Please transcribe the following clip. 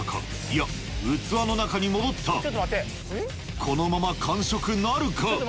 いや器の中に戻ったこのまま完食なるか？